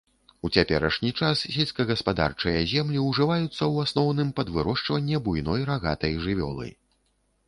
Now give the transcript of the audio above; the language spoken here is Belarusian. У цяперашні час сельскагаспадарчыя землі ўжываюцца ў асноўным пад вырошчванне буйной рагатай жывёлы.